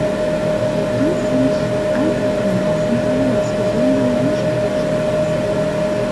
Dies sind einfache Maßnahmen des gesunden Menschenverstands.